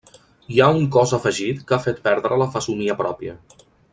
Hi ha un cos afegit que ha fet perdre la fesomia pròpia.